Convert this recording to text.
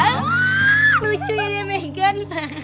lucunya dia megan